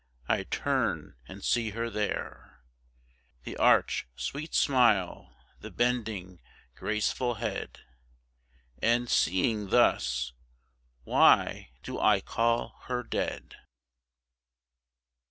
I turn and see her there, The arch, sweet smile, the bending, graceful head; And, seeing thus, why do I call her dead?